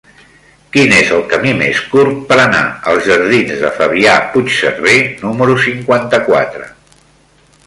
Quin és el camí més curt per anar als jardins de Fabià Puigserver número cinquanta-quatre?